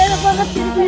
aduh aduh aduh